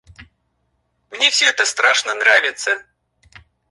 Мне всё это страшно нравится!